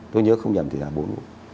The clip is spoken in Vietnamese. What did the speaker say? tôi nhớ không nhầm thì là bốn mũi